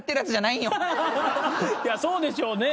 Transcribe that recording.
いやそうでしょうね。